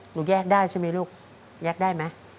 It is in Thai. แยกได้ใช่ไหมลูกแยกได้ไหม